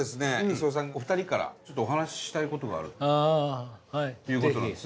功さんにお二人からちょっとお話ししたいことがあるということなんです。